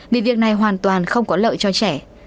vì việc này hoàn toàn không có lợi cho trẻ